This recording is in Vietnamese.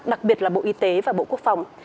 đặc biệt là bộ y tế và bộ quốc phòng